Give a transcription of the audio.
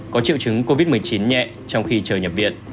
có triệu chứng covid một mươi chín nhẹ trong khi chờ nhập viện